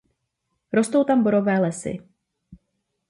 Rostou tam borové lesy.